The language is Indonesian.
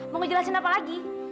mau ngejelasin apa lagi